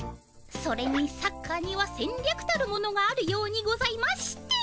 それにサッカーにはせんりゃくたるものがあるようにございまして。